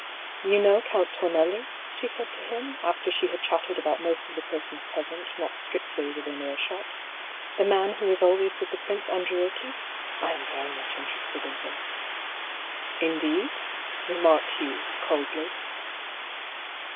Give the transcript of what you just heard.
" You know Count Tornelli ?" she said to him, after she had chattered about most of the persons present not strictly within earshot. " The man who is always with the Prince Andriocchi ? I am very much interested in him." A DISAPPOINTMENT. 195 " Indeed ?" remarked Hugh, coldly.